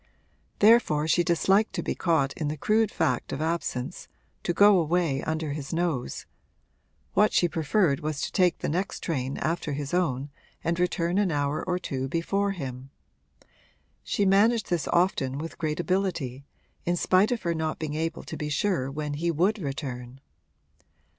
Therefore she disliked to be caught in the crude fact of absence to go away under his nose; what she preferred was to take the next train after his own and return an hour or two before him. She managed this often with great ability, in spite of her not being able to be sure when he would return.